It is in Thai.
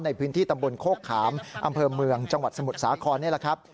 ในพื้นที่ตำบลโคกขามอำเภอเมืองจังหวัดสมุทรสาครนี่แหละครับ